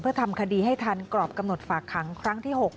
เพื่อทำคดีให้ทันกรอบกำหนดฝากขังครั้งที่๖